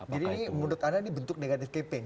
jadi ini menurut anda bentuk negative campaign